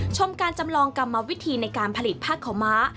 ชมการจำลองกรรมวิธีในการผลิตผ้าขาวม้า